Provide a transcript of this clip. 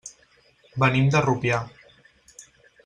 Venim de Rupià.